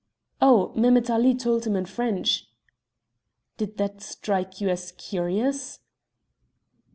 "Oh, Mehemet Ali told him in French." "Didn't that strike you as curious?"